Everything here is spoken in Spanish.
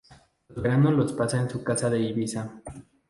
Los veranos los pasa en su casa de Ibiza.